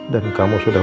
dan kamu sudah